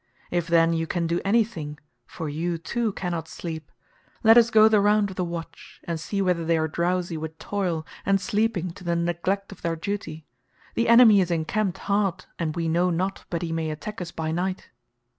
If then you can do anything—for you too cannot sleep—let us go the round of the watch, and see whether they are drowsy with toil and sleeping to the neglect of their duty. The enemy is encamped hard and we know not but he may attack us by night."